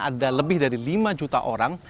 ada lebih dari lima juta orang